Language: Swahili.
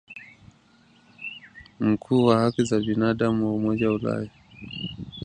Mkuu wa haki za binadamu wa Umoja wa Ulaya